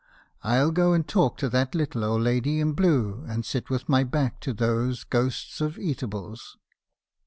I '11 go and talk to that little old lady in blue, and sit with my back to those ghosts of eatables.'